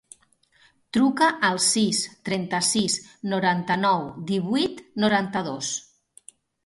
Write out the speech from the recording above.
Truca al sis, trenta-sis, noranta-nou, divuit, noranta-dos.